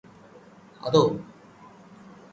അതോ